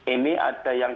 ini ada yang